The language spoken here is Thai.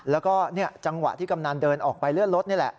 แล้วก็จังหวะที่กำนันเดินออกไปเลื่อนรถนี่แหละ